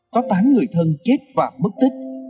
có tám người thân chết và mất tích